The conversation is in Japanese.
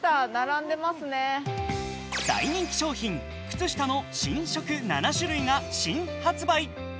大人気商品、靴下の新色７種類が新発売。